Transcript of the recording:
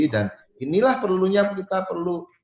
dan inilah perlunya kita perlu